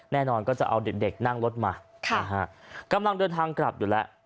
แน่นอนก็จะเอาเด็กนั่งรถมานะฮะกำลังเดินทางกลับอยู่แล้ว